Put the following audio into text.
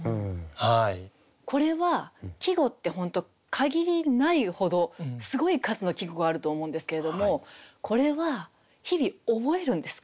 限りないほどすごい数の季語があると思うんですけれどもこれは日々覚えるんですか？